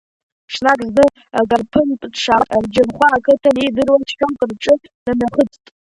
Ҽнак зны Гарԥынтә дшаауаз, Џьырхәа ақыҭан иидыруаз шьоук рҿы днымҩахыҵт.